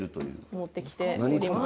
持ってきてます。